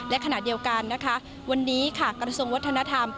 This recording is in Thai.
และขณะเดียวกันวันนี้กรสงค์วัฒนธรรม